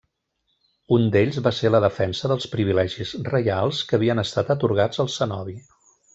Un d'ells va ser la defensa dels privilegis reials que havien estat atorgats al cenobi.